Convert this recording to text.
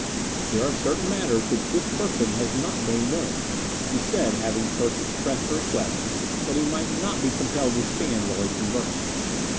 "There are certain matters which this person has not made known," he said, having first expressed a request that he might not be compelled to stand while he conversed.